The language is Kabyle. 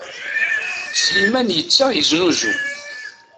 Sliman yettaɣ yeznuzu.